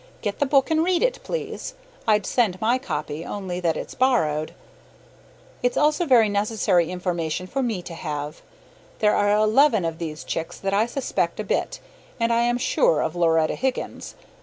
Get the book and read it, please; I'd send my copy only that it's borrowed. It's also very necessary information for me to have. There are eleven of these chicks that I suspect a bit, and I am SURE of Loretta Higgins.